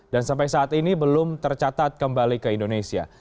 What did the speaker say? dan sampai saat ini belum tercatat kembali ke indonesia